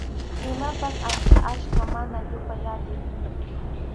Imapas ancha achka, mana yupay atiy.